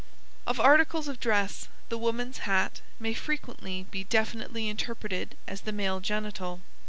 Of articles of dress the woman's hat may frequently be definitely interpreted as the male genital.